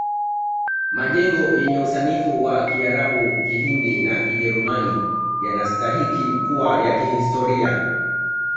Majengo yenye usanifu wa kiarabu kihindi na kijerumani yanastahiki kuwa ya kihistoria